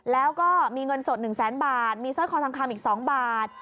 แล้วก็มีเงินสด๑แสนบาทมีสร้อยคอทองคำอีก๒บาท